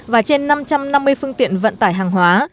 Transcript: và trên năm trăm năm mươi phương tiện vận tải hàng hóa